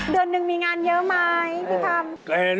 เดือนหนึ่งมีงานเยอะไหมพี่คำ